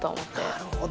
なるほど。